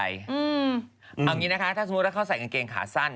เอาอย่างนี้นะคะถ้าสมมุติว่าเขาใส่กางเกงขาสั้น